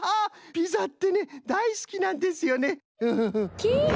ピザってねだいすきなんですよね。